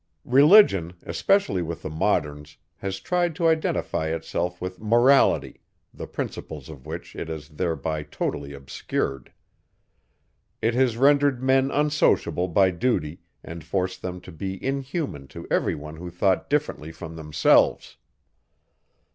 Religion, especially with the moderns, has tried to identify itself with Morality, the principles of which it has thereby totally obscured. It has rendered men unsociable by duty, and forced them to be inhuman to everyone who thought differently from themselves.